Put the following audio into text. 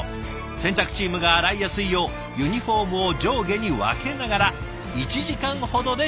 洗濯チームが洗いやすいようユニフォームを上下に分けながら１時間ほどで終了。